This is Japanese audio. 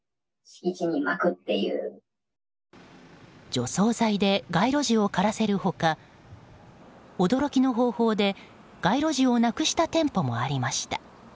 除草剤で街路樹を枯らせる他驚きの方法で街路樹をなくした店舗もありました。